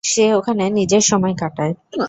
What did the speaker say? সে ওখানে নিজের সময় কাটায়।